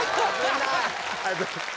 ありがとうございます